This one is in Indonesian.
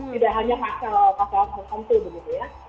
tidak hanya pasal pasal tertentu begitu ya